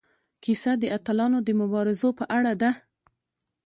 کیسه د اتلانو د مبارزو په اړه ده.